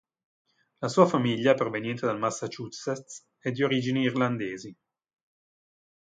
La sua famiglia, proveniente dal Massachusetts, è di origini irlandesi.